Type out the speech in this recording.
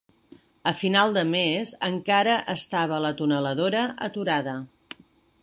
A final de mes encara estava la tuneladora aturada.